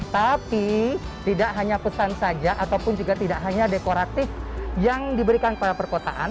tapi tidak hanya pesan saja ataupun juga tidak hanya dekoratif yang diberikan pada perkotaan